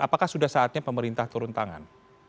apakah sudah saatnya pemerintah turun tangan